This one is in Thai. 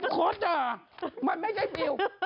โคตรอ่ะมันไม่ใช่ฟิลล์